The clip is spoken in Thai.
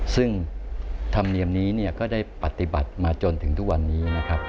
ซึ่งธรรมเนียมนี้ก็ได้ปฏิบัติมาจนถึงทุกวันนี้นะครับ